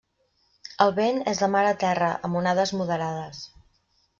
El vent és de mar a terra amb onades moderades.